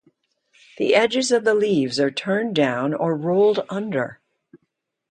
The edges of the leaves are turned down or rolled under.